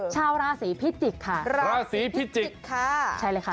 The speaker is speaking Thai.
ชาวราศีพิจิกษ์ค่ะราศีพิจิกษ์ค่ะใช่เลยค่ะ